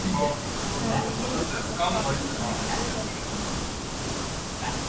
Նա նույնիսկ աշխատություն է գրել այդ թեմայով։